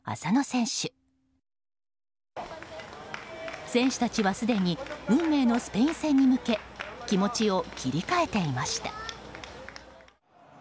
選手たちはすでに運命のスペイン戦に向け気持ちを切り替えていました。